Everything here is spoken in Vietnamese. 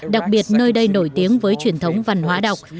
đặc biệt nơi đây nổi tiếng với truyền thống văn hóa đọc